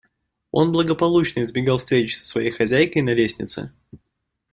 Он благополучно избегал встречи с своей хозяйкой на лестнице.